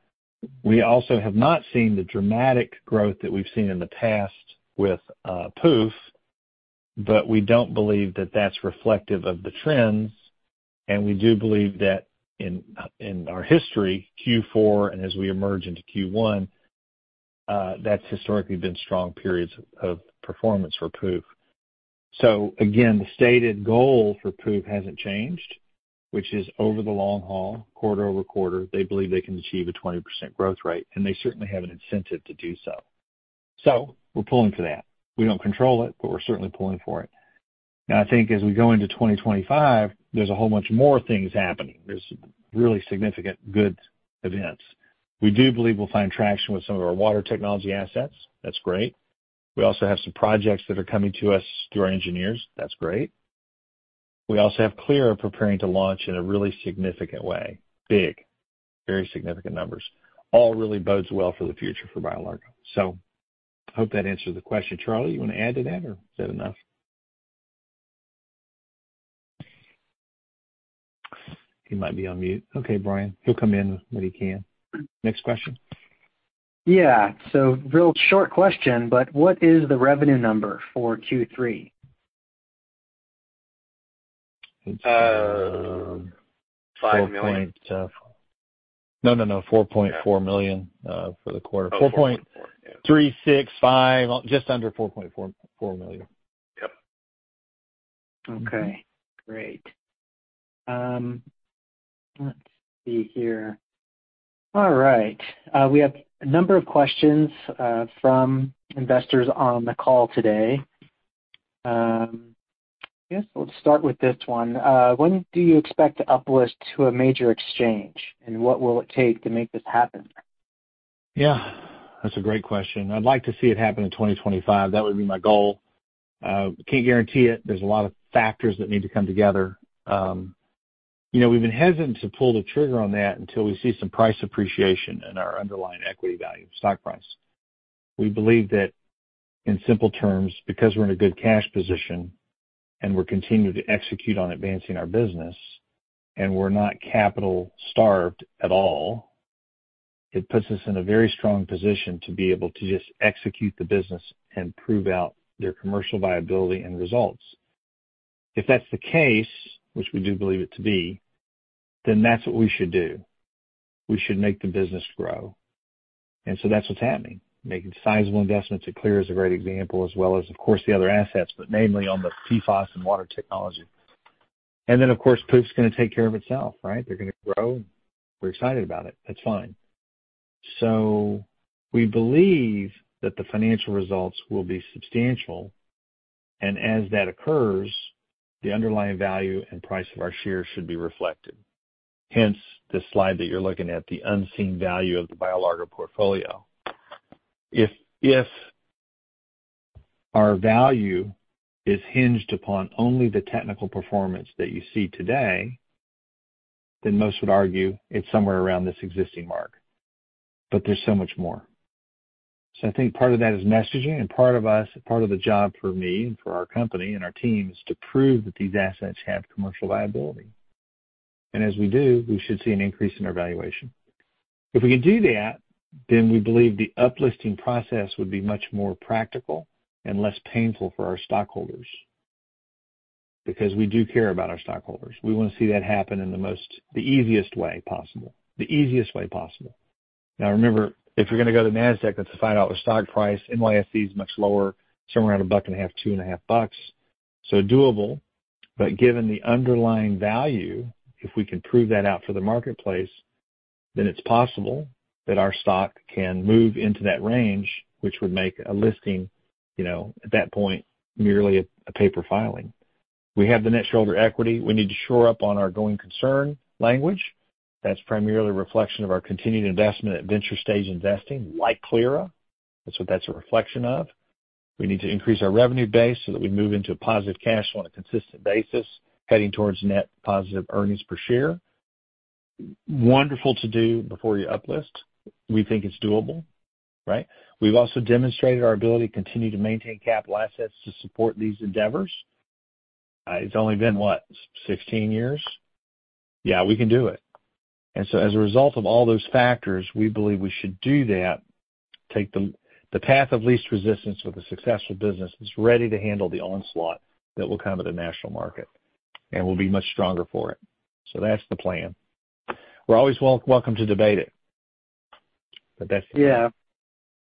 We also have not seen the dramatic growth that we've seen in the past with POOPH, but we don't believe that that's reflective of the trends. And we do believe that in our history, Q4 and as we emerge into Q1, that's historically been strong periods of performance for POOPH. So again, the stated goal for POOPH hasn't changed, which is over the long haul, quarter-over-quarter, they believe they can achieve a 20% growth rate. And they certainly have an incentive to do so. So we're pulling for that. We don't control it, but we're certainly pulling for that. Now, I think as we go into 2025, there's a whole bunch more things happening. There's really significant good events. We do believe we'll find traction with some of our water technology assets. That's great. We also have some projects that are coming to us through our engineers. That's great. We also have Clyra preparing to launch in a really significant way. Big, very significant numbers. All really bodes well for the future for BioLargo. So I hope that answers the question. Charley, you want to add to that or is that enough? He might be on mute. Okay, Brian. He'll come in when he can. Next question. Yeah. So real short question, but what is the revenue number for Q3? It's $4.4 million. No, no, no. $4.4 million for the quarter. $4.365, just under $4.4 million. Yep. Okay. Great. Let's see here. All right. We have a number of questions from investors on the call today. I guess we'll start with this one. When do you expect to uplift to a major exchange? And what will it take to make this happen? Yeah. That's a great question. I'd like to see it happen in 2025. That would be my goal. Can't guarantee it. There's a lot of factors that need to come together. We've been hesitant to pull the trigger on that until we see some price appreciation in our underlying equity value, stock price. We believe that in simple terms, because we're in a good cash position and we're continuing to execute on advancing our business and we're not capital-starved at all, it puts us in a very strong position to be able to just execute the business and prove out their commercial viability and results. If that's the case, which we do believe it to be, then that's what we should do. We should make the business grow, and so that's what's happening, making sizable investments. Clyra is a great example, as well as, of course, the other assets, but mainly on the PFAS and water technology. And then, of course, POOPH is going to take care of itself, right? They're going to grow. We're excited about it. That's fine. So we believe that the financial results will be substantial. And as that occurs, the underlying value and price of our shares should be reflected. Hence, the slide that you're looking at, the unseen value of the BioLargo portfolio. If our value is hinged upon only the technical performance that you see today, then most would argue it's somewhere around this existing mark. But there's so much more. So I think part of that is messaging. And part of us, part of the job for me and for our company and our team is to prove that these assets have commercial viability. And as we do, we should see an increase in our valuation. If we can do that, then we believe the uplifting process would be much more practical and less painful for our stockholders because we do care about our stockholders. We want to see that happen in the easiest way possible. The easiest way possible. Now, remember, if you're going to go to NASDAQ, that's a $5 stock price. NYSE is much lower, somewhere around a $1.50, $2.50. So doable. But given the underlying value, if we can prove that out for the marketplace, then it's possible that our stock can move into that range, which would make a listing at that point merely a paper filing. We have the net shareholder equity. We need to shore up on our going concern language. That's primarily a reflection of our continued investment at venture stage investing like Clyra. That's what that's a reflection of. We need to increase our revenue base so that we move into a positive cash flow on a consistent basis, heading towards net positive earnings per share. Wonderful to do before you uplift. We think it's doable, right? We've also demonstrated our ability to continue to maintain capital assets to support these endeavors. It's only been what? 16 years? Yeah, we can do it, and so as a result of all those factors, we believe we should do that, take the path of least resistance with a successful business that's ready to handle the onslaught that will come at a national market and will be much stronger for it, so that's the plan. We're always welcome to debate it, but that's the plan. Yeah,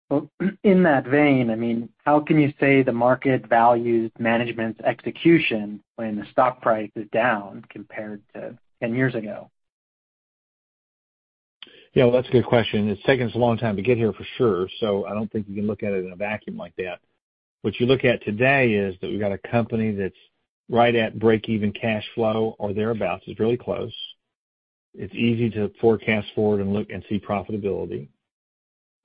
well, in that vein, I mean, how can you say the market values management's execution when the stock price is down compared to 10 years ago? Yeah, well, that's a good question. It's taken us a long time to get here for sure, so I don't think you can look at it in a vacuum like that. What you look at today is that we've got a company that's right at break-even cash flow or thereabouts. It's really close. It's easy to forecast forward and see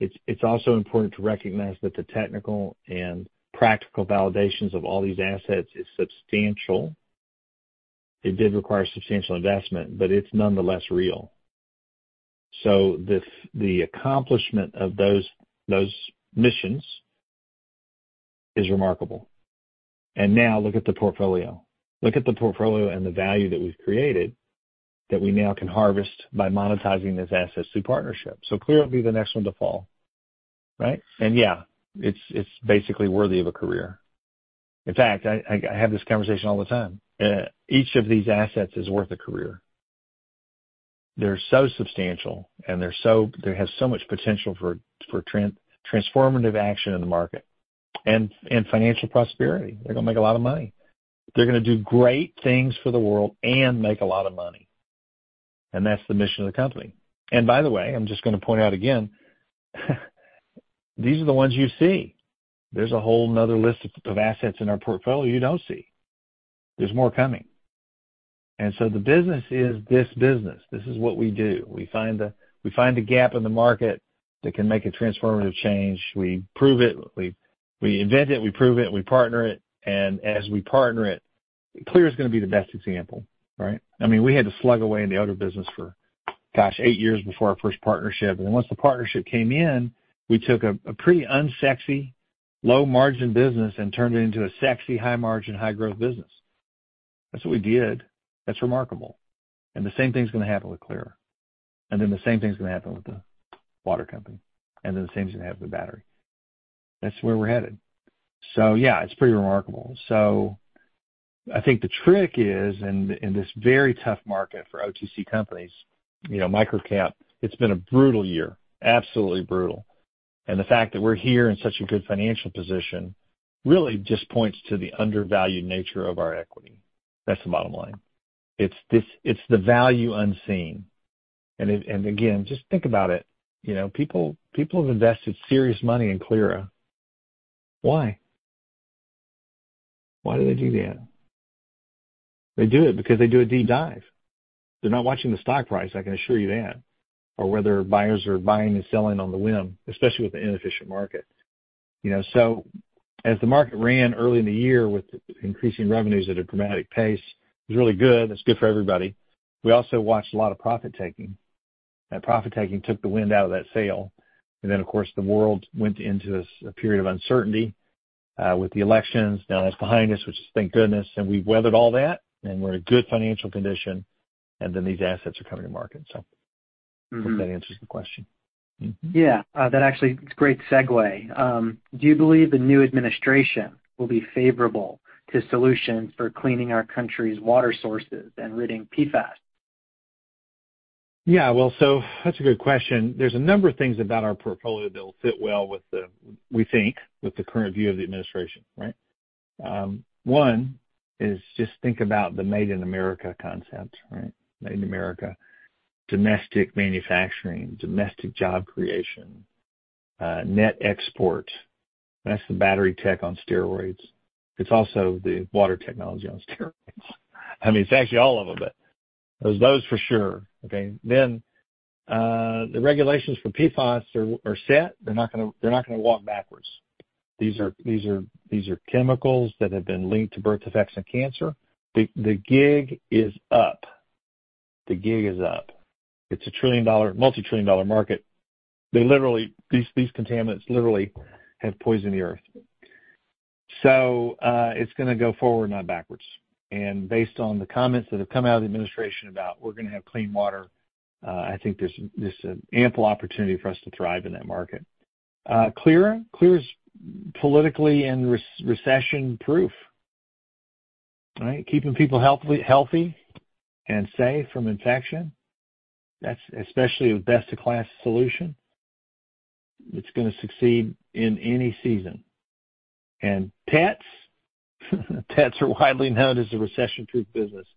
profitability. It's also important to recognize that the technical and practical validations of all these assets are substantial. It did require substantial investment, but it's nonetheless real. So the accomplishment of those missions is remarkable. And now look at the portfolio. Look at the portfolio and the value that we've created that we now can harvest by monetizing this asset through partnership. So Clyra will be the next one to fall, right? And yeah, it's basically worthy of a career. In fact, I have this conversation all the time. Each of these assets is worth a career. They're so substantial, and they have so much potential for transformative action in the market and financial prosperity. They're going to make a lot of money. They're going to do great things for the world and make a lot of money. And that's the mission of the company. And by the way, I'm just going to point out again, these are the ones you see. There's a whole nother list of assets in our portfolio you don't see. There's more coming. And so the business is this business. This is what we do. We find the gap in the market that can make a transformative change. We prove it. We invent it. We prove it. We partner it. And as we partner it, Clyra is going to be the best example, right? I mean, we had to slug away in the other business for, gosh, eight years before our first partnership. Then once the partnership came in, we took a pretty unsexy, low-margin business and turned it into a sexy, high-margin, high-growth business. That's what we did. That's remarkable. The same thing's going to happen with Clyra. Then the same thing's going to happen with the water company. Then the same thing's going to happen with the battery. That's where we're headed. Yeah, it's pretty remarkable. I think the trick is, in this very tough market for OTC companies, microcap, it's been a brutal year. Absolutely brutal. The fact that we're here in such a good financial position really just points to the undervalued nature of our equity. That's the bottom line. It's the value unseen. Again, just think about it. People have invested serious money in Clyra. Why? Why do they do that? They do it because they do a deep dive. They're not watching the stock price, I can assure you that, or whether buyers are buying and selling on the whim, especially with an inefficient market. So as the market ran early in the year with increasing revenues at a dramatic pace, it was really good. It's good for everybody. We also watched a lot of profit-taking. That profit-taking took the wind out of that sale. And then, of course, the world went into a period of uncertainty with the elections. Now that's behind us, which is thank goodness. And we've weathered all that, and we're in a good financial condition. And then these assets are coming to market. So I hope that answers the question. Yeah. That actually is a great segue. Do you believe the new administration will be favorable to solutions for cleaning our country's water sources and rooting PFAS? Yeah. Well, so that's a good question. There's a number of things about our portfolio that will fit well, we think, with the current view of the administration, right? One is just think about the Made in America concept, right? Made in America, domestic manufacturing, domestic job creation, net export. That's the battery tech on steroids. It's also the water technology on steroids. I mean, it's actually all of them, but those for sure. Okay. Then the regulations for PFAS are set. They're not going to walk backwards. These are chemicals that have been linked to birth defects and cancer. The gig is up. The gig is up. It's a multi-trillion-dollar market. These contaminants literally have poisoned the earth. So it's going to go forward, not backwards. And based on the comments that have come out of the administration about, "We're going to have clean water," I think there's an ample opportunity for us to thrive in that market. Clyra is politically and recession-proof, right? Keeping people healthy and safe from infection. That's especially a best-of-class solution. It's going to succeed in any season. And pets. Pets are widely known as a recession-proof business.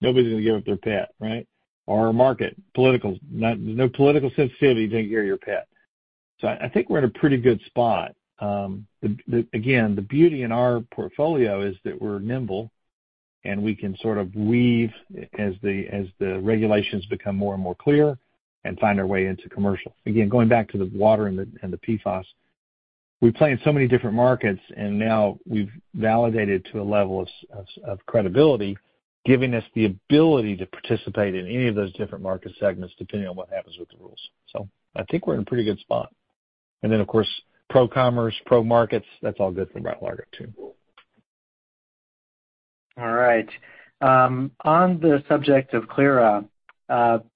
Nobody is going to give up their pet, right? Or our market. Political. There's no political sensitivity to give up your pet. So I think we're in a pretty good spot. Again, the beauty in our portfolio is that we're nimble, and we can sort of weave as the regulations become more and more clear and find our way into commercial. Again, going back to the water and the PFAS, we play in so many different markets, and now we've validated to a level of credibility, giving us the ability to participate in any of those different market segments depending on what happens with the rules. So I think we're in a pretty good spot. And then, of course, pro-commerce, pro-markets, that's all good for BioLargo too. All right. On the subject of Clyra,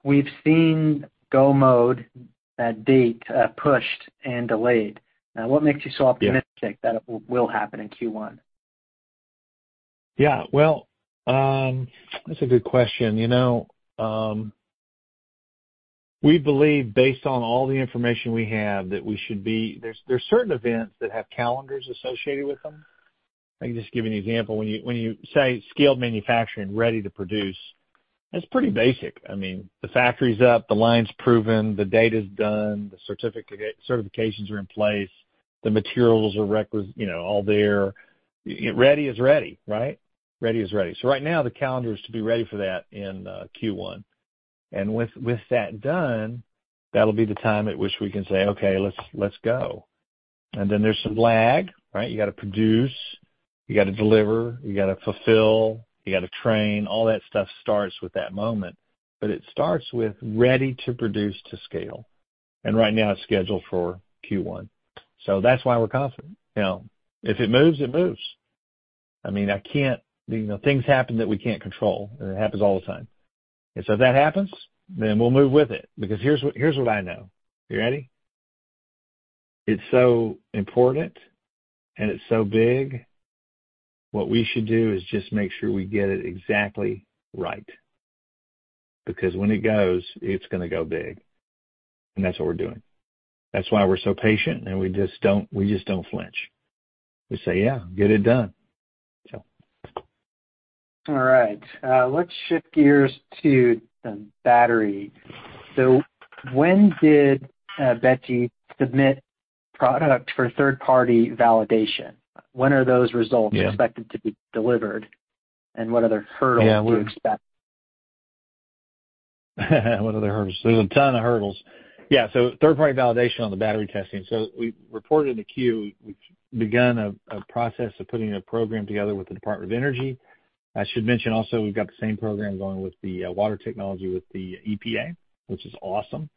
we've seen go mode that date pushed and delayed. Now, what makes you so optimistic that it will happen in Q1? Yeah. Well, that's a good question. We believe, based on all the information we have, that we should be. There's certain events that have calendars associated with them. I can just give you an example. When you say scaled manufacturing, ready to produce, that's pretty basic. I mean, the factory's up, the line's proven, the data's done, the certifications are in place, the materials are all there. Ready is ready, right? Ready is ready, so right now, the calendar is to be ready for that in Q1, and with that done, that'll be the time at which we can say, "Okay, let's go," and then there's some lag, right? You got to produce. You got to deliver. You got to fulfill. You got to train. All that stuff starts with that moment, but it starts with ready to produce to scale, and right now, it's scheduled for Q1, so that's why we're confident. If it moves, it moves. I mean, things happen that we can't control, and it happens all the time, and so if that happens, then we'll move with it. Because here's what I know. You ready? It's so important, and it's so big. What we should do is just make sure we get it exactly right. Because when it goes, it's going to go big, and that's what we're doing. That's why we're so patient, and we just don't flinch. We say, "Yeah, get it done." All right. Let's shift gears to the battery, so when did BET submit product for third-party validation? When are those results expected to be delivered? And what other hurdles do you expect? What other hurdles? There's a ton of hurdles. Yeah. So third-party validation on the battery testing. So we reported in the Q. We've begun a process of putting a program together with the Department of Energy. I should mention also, we've got the same program going with the water technology with the EPA, which is awesome.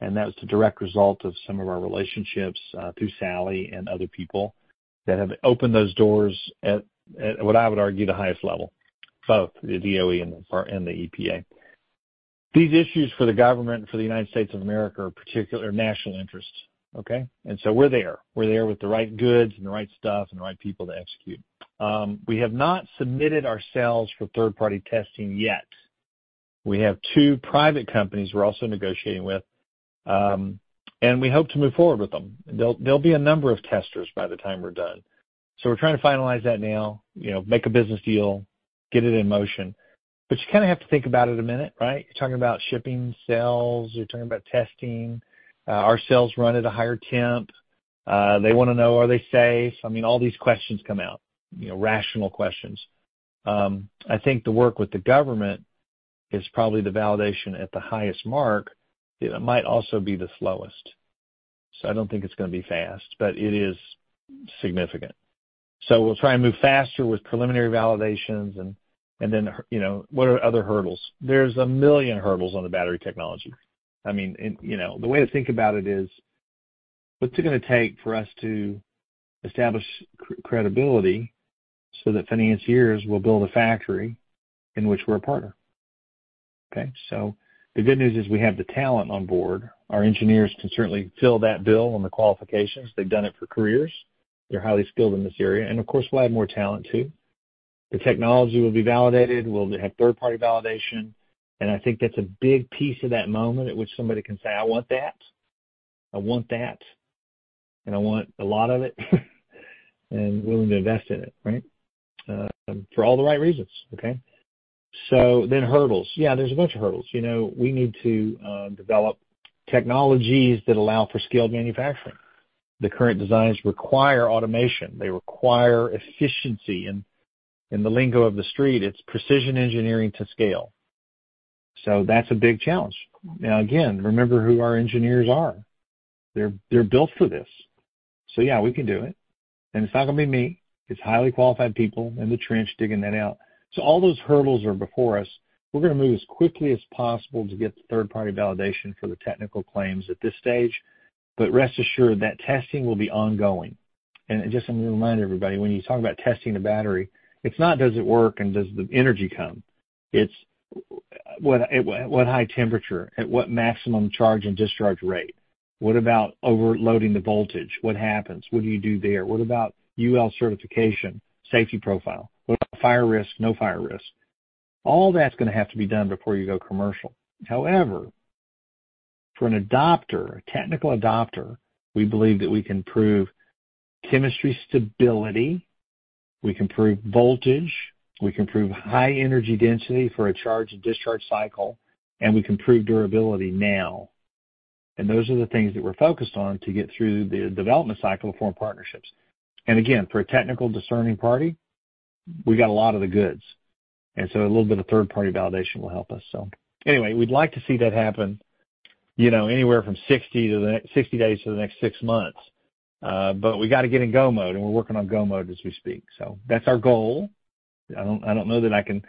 And that's the direct result of some of our relationships through Sally and other people that have opened those doors at what I would argue the highest level. Both the DOE and the EPA. These issues for the government, for the United States of America, are particular national interests, okay? And so we're there. We're there with the right goods and the right stuff and the right people to execute. We have not submitted ourselves for third-party testing yet. We have two private companies we're also negotiating with. And we hope to move forward with them. There'll be a number of testers by the time we're done. So we're trying to finalize that now, make a business deal, get it in motion. But you kind of have to think about it a minute, right? You're talking about shipping cells. You're talking about testing. Our cells run at a higher temp. They want to know, are they safe? I mean, all these questions come out, rational questions. I think the work with the government is probably the validation at the highest mark that it might also be the slowest. So I don't think it's going to be fast, but it is significant. So we'll try and move faster with preliminary validations. And then what are other hurdles? There's a million hurdles on the battery technology. I mean, the way to think about it is, what's it going to take for us to establish credibility so that financiers will build a factory in which we're a partner? Okay? So the good news is we have the talent on board. Our engineers can certainly fill that bill on the qualifications. They've done it for careers. They're highly skilled in this area. And of course, we'll add more talent too. The technology will be validated. We'll have third-party validation, and I think that's a big piece of that moment at which somebody can say, "I want that. I want that. And I want a lot of it and willing to invest in it," right? For all the right reasons, okay? Then hurdles. Yeah, there's a bunch of hurdles. We need to develop technologies that allow for scaled manufacturing. The current designs require automation. They require efficiency. And in the lingo of the street, it's precision engineering to scale. So that's a big challenge. Now, again, remember who our engineers are. They're built for this. So yeah, we can do it. And it's not going to be me. It's highly qualified people in the trenches digging that out. So all those hurdles are before us. We're going to move as quickly as possible to get third-party validation for the technical claims at this stage. But rest assured that testing will be ongoing. And just a reminder, everybody, when you talk about testing the battery, it's not, "Does it work?" and, "Does the energy come?" It's, "At what high temperature? At what maximum charge and discharge rate? What about overloading the voltage? What happens? What do you do there? What about UL certification, safety profile? What about fire risk, no fire risk?" All that's going to have to be done before you go commercial. However, for an adopter, a technical adopter, we believe that we can prove chemistry stability. We can prove voltage. We can prove high energy density for a charge and discharge cycle. And we can prove durability now. And those are the things that we're focused on to get through the development cycle for partnerships. And again, for a technical discerning party, we got a lot of the goods. And so a little bit of third-party validation will help us. So anyway, we'd like to see that happen anywhere from 60 days to the next six months. But we got to get in go mode. And we're working on go mode as we speak. So that's our goal. I don't know that I can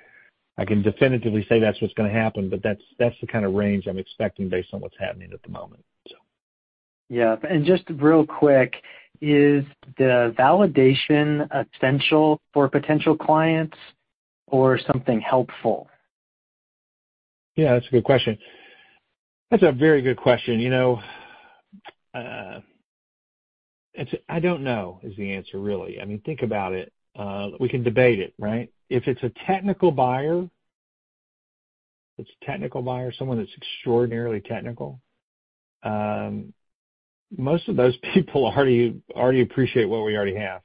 definitively say that's what's going to happen, but that's the kind of range I'm expecting based on what's happening at the moment, so. Yeah. And just real quick, is the validation essential for potential clients or something helpful? Yeah, that's a good question. That's a very good question. I don't know is the answer, really. I mean, think about it. We can debate it, right? If it's a technical buyer, it's a technical buyer, someone that's extraordinarily technical, most of those people already appreciate what we already have.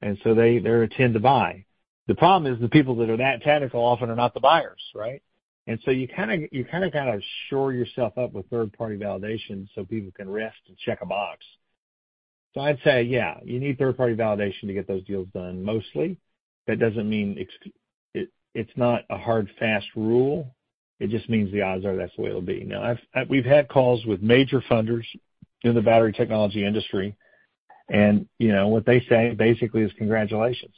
And so they're a ten to buy. The problem is the people that are that technical often are not the buyers, right? And so you kind of got to shore yourself up with third-party validation so people can rest and check a box. So I'd say, yeah, you need third-party validation to get those deals done mostly. That doesn't mean it's not a hard, fast rule. It just means the odds are that's the way it'll be. Now, we've had calls with major funders in the battery technology industry. And what they say basically is, "Congratulations."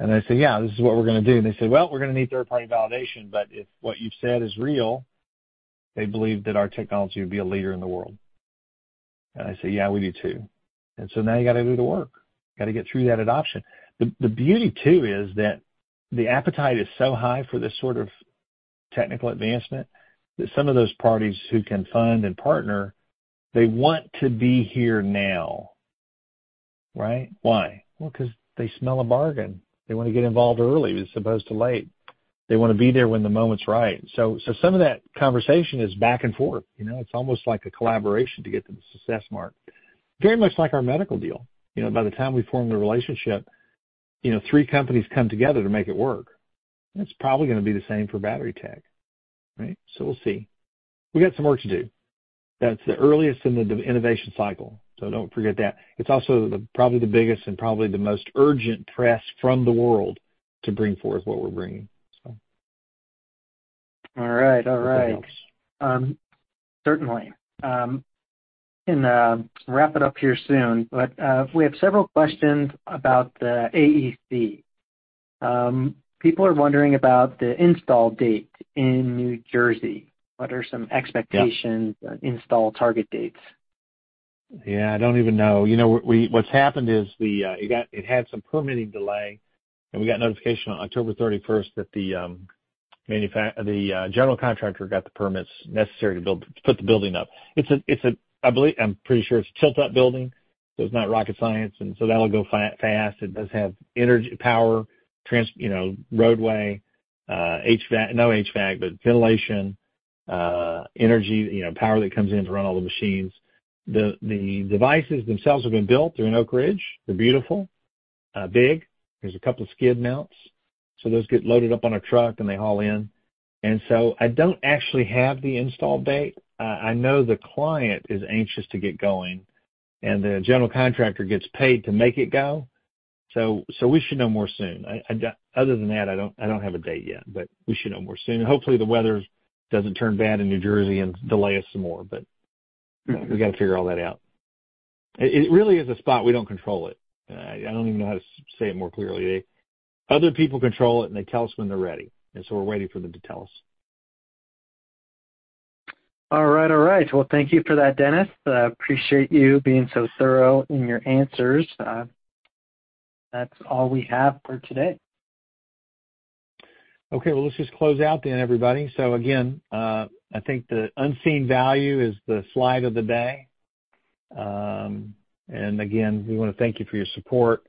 And I say, "Yeah, this is what we're going to do." And they say, "Well, we're going to need third-party validation. But if what you've said is real, they believe that our technology would be a leader in the world." And I say, "Yeah, we do too." And so now you got to do the work. You got to get through that adoption. The beauty, too, is that the appetite is so high for this sort of technical advancement that some of those parties who can fund and partner. They want to be here now, right? Why? Well, because they smell a bargain. They want to get involved early as opposed to late. They want to be there when the moment's right. So some of that conversation is back and forth. It's almost like a collaboration to get to the success mark. Very much like our medical deal. By the time we form the relationship, three companies come together to make it work. That's probably going to be the same for battery tech, right? So we'll see. We got some work to do. That's the earliest in the innovation cycle. So don't forget that. It's also probably the biggest and probably the most urgent press from the world to bring forth what we're bringing, so. All right. All right. Certainly. And wrap it up here soon. But we have several questions about the AEC. People are wondering about the install date in New Jersey. What are some expectations and install target dates? Yeah, I don't even know. What's happened is it had some permitting delay. And we got notification on October 31st that the general contractor got the permits necessary to put the building up. I'm pretty sure it's a tilt-up building. So it's not rocket science. And so that'll go fast. It does have power, roadway, HVAC, no HVAC, but ventilation, energy, power that comes in to run all the machines. The devices themselves have been built. They're in Oak Ridge. They're beautiful, big. There's a couple of skid mounts, so those get loaded up on a truck, and they haul in, and so I don't actually have the install date. I know the client is anxious to get going, and the general contractor gets paid to make it go, so we should know more soon. Other than that, I don't have a date yet, but we should know more soon. Hopefully, the weather doesn't turn bad in New Jersey and delay us some more, but we got to figure all that out. It really is a spot. We don't control it. I don't even know how to say it more clearly. Other people control it, and they tell us when they're ready. And so we're waiting for them to tell us. All right. All right. Well, thank you for that, Dennis. I appreciate you being so thorough in your answers. That's all we have for today. Okay. Well, let's just close out then, everybody. So again, I think the unseen value is the slide of the day. And again, we want to thank you for your support.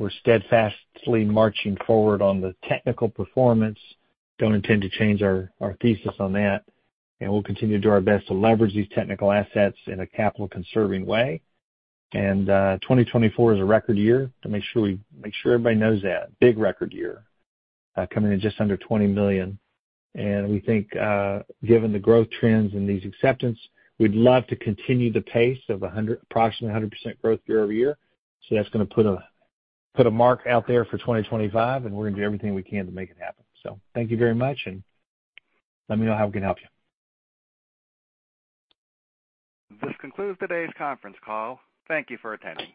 We're steadfastly marching forward on the technical performance. Don't intend to change our thesis on that. And we'll continue to do our best to leverage these technical assets in a capital-conserving way. And 2024 is a record year. To make sure everybody knows that. Big record year. Coming in just under $20 million. And we think, given the growth trends and these acceptance, we'd love to continue the pace of approximately 100% growth year-over-year. So that's going to put a mark out there for 2025. And we're going to do everything we can to make it happen. So thank you very much. And let me know how we can help you. This concludes today's conference call. Thank you for attending.